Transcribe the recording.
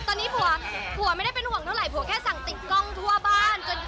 ตอนนี้ผัวไม่ได้เป็นห่วงเท่าไหผัวแค่สั่งติดกล้องทั่วบ้าน